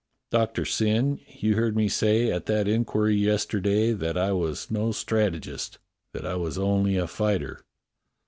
"Doctor Syn, you heard me say at that inquiry yesterday that I was no strategist, that I was only a fighter."